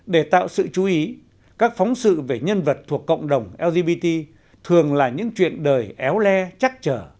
để tạo sự chú ý các phóng sự về nhân vật thuộc cộng đồng lgbt thường là những chuyện đời éo le chắc chở